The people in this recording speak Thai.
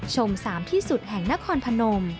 ชมสามที่สุดแห่งนครพระนม